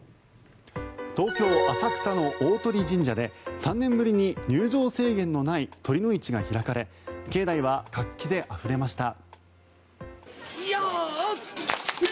東京・浅草の鷲神社で３年ぶりに入場制限のない酉の市が開かれ境内は活気で溢れました。